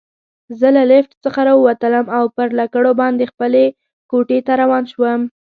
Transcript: زه له لفټ څخه راووتلم او پر لکړو باندې خپلې کوټې ته روان شوم.